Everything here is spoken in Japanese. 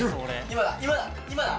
今だ今だ！